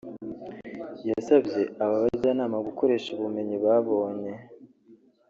yasabye aba bajyanama gukoresha ubumenyi babonye